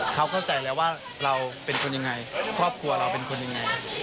เขาเข้าใจแล้วว่าเราเป็นคนยังไงครอบครัวเราเป็นคนยังไง